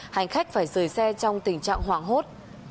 hành khách phải rời xe trong tình trạng hoảng hốt